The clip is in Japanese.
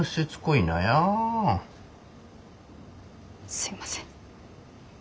すいません。